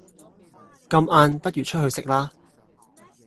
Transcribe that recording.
咁晏不如出去食啦